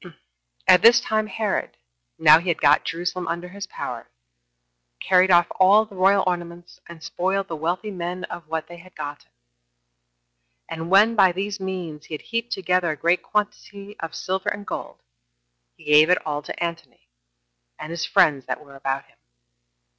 2. At this time Herod, now he had got Jerusalem under his power, carried off all the royal ornaments, and spoiled the wealthy men of what they had gotten; and when, by these means, he had heaped together a great quantity of silver and gold, he gave it all to Antony, and his friends that were about him.